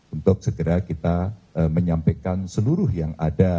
untuk segera kita menyampaikan seluruh yang ada